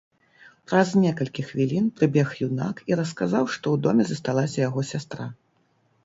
Праз некалькі хвілін прыбег юнак і расказаў, што ў доме засталася яго сястра.